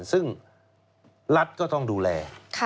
ซึ่งรัฐก็ต้องดูแล